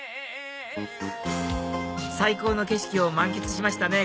最高の景色を満喫しましたね